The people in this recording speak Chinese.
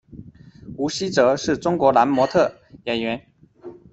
吴希泽是中国男模特、演员。